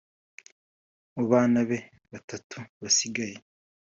Mu bana be batatu basigaye